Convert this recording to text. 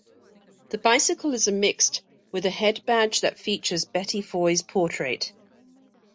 The bicycle is a mixte with a headbadge that features Betty Foy's portrait.